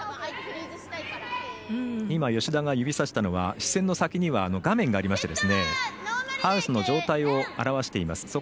吉田が指をさしたのは視線の先には画面がありましてハウスの状態を表しています。